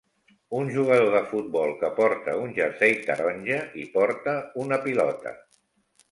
un jugador de futbol que porta un jersei taronja i porta una pilota.